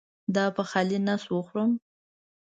دا په خالي نس وخورم؟